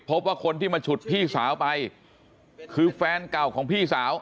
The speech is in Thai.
พบว่าคนที่มาฉุดพี่สาวไปคือแฟนเก่าของพี่สาว